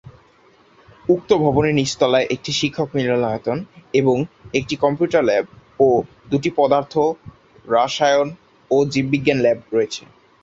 উক্ত ভবনের নিচতলায় একটি শিক্ষক মিলনায়তন এবং একটি কম্পিউটার ল্যাব ও দুটি পদার্থ, রসায়ন ও জীববিজ্ঞান ল্যাব রয়েছে।